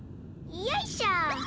よいしょ。